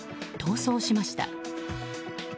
逃走しました。